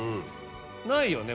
ないよね